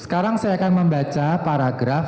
sekarang saya akan membaca paragraf